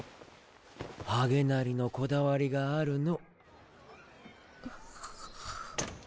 ハゲなりのこだわりがあるの。